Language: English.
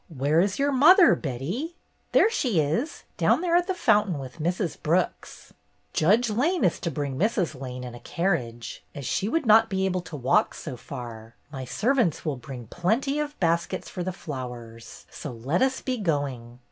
"Where is your mother, Betty?" "There she is, down there at the fountain with Mrs. Brooks." "Judge Lane is to bring Mrs. Lane in a carriage, as she would not be able to walk so far. My servants will bring plenty of baskets for the flowers. So let us be going."